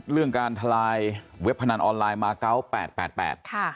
เรื่องการทลายเว็บพนันออนไลน์มาเก้าแปดแปดแปดค่ะ